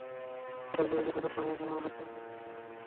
তাঁর বিরুদ্ধে সদর থানায় এখনো হত্যাসহ বিভিন্ন অভিযোগে একাধিক মামলা রয়েছে।